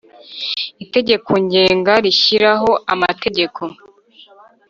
Itegeko Ngenga rishyiraho amategeko